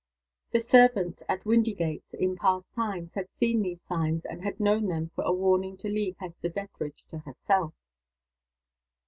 The servants at Windygates, in past times, had seen these signs, and had known them for a warning to leave Hester Dethridge to herself.